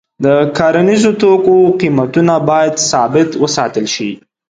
د کرنیزو توکو قیمتونه باید ثابت وساتل شي.